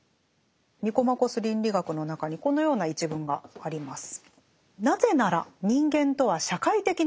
「ニコマコス倫理学」の中にこのような一文があります。